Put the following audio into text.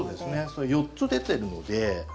それ４つ出てるので。